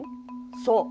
そう。